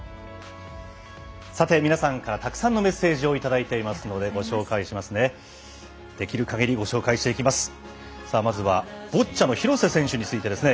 さあ皆さんからたくさんのメッセージをいただいていますのでご紹介しますね。